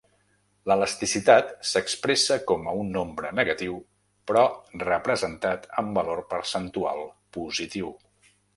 L'elasticitat s'expressa com a un nombre negatiu però representat amb valor percentual positiu.